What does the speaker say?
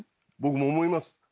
僕も思います。